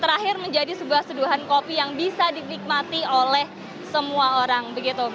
terakhir menjadi sebuah seduhan kopi yang bisa dinikmati oleh semua orang